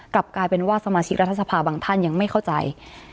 กลับกลายเป็นว่าสมาชิกรัฐสภาบางท่านยังไม่เข้าใจ